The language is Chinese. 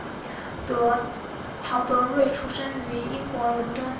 陶德瑞出生于英国伦敦。